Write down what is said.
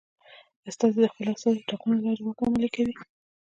استازي د خپلو استازو د ټاکنې له لارې واک عملي کوي.